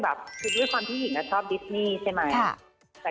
ถ้าคุณอยู่ข้างด้วยชอบดิสนีใช่มั้ย